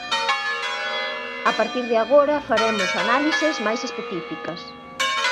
A partir de agora faremos análises máis específicas.